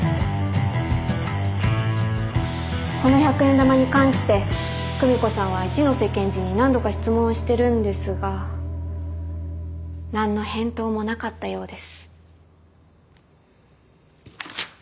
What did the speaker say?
この百円玉に関して久美子さんは一ノ瀬検事に何度か質問をしてるんですが何の返答もなかったようです。